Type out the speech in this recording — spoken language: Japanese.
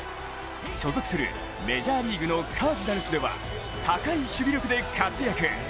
所属するメジャーリーグのカージナルスでは、高い守備力で活躍。